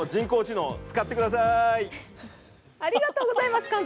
ありがとうございます、監督。